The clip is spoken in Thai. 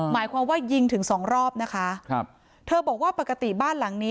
หมายความว่ายิงถึงสองรอบนะคะครับเธอบอกว่าปกติบ้านหลังนี้